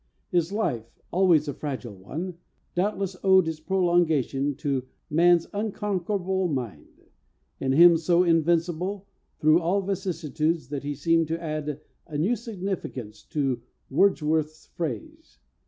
His life always a fragile one doubtless owed its prolongation to "man's unconquerable mind," in him so invincible through all vicissitude that he seemed to add a new significance to Wordsworth's phrase.